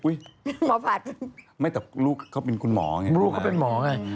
อุ๊ยไม่แต่ลูกเค้าเป็นคุณหมอไงครับคุณน้าลูกเค้าเป็นหมอไง